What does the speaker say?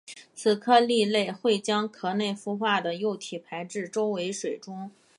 此科蜊类会将壳内孵化的幼体排至周围水中。